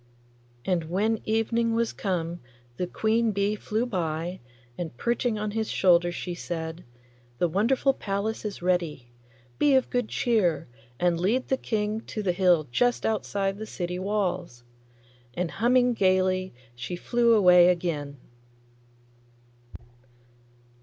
And when evening was come the queen bee flew by, and perching on his shoulder she said, 'The wonderful palace is ready. Be of good cheer, and lead the King to the hill just outside the city walls.' And humming gaily she flew away again.